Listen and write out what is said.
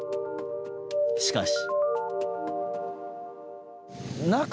しかし。